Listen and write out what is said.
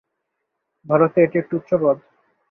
ভারতে এটি একটি উচ্চ পদ।